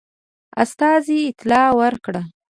استازي اطلاع ورکړه.